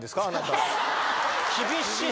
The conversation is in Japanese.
厳しい。